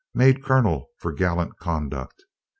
Made colonel for gallant conduct.